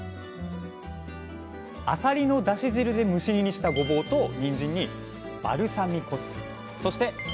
アサリのだし汁で蒸し煮にしたごぼうとにんじんにバルサミコ酢そしてアンチョビ